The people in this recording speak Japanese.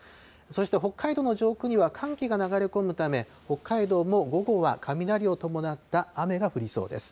そして北海道の上空には、寒気が流れ込むため、北海道も午後は雷を伴った雨が降りそうです。